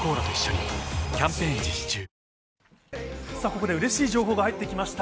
ここでうれしい情報が入ってきました。